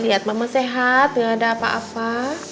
lihat mama sehat gak ada apa apa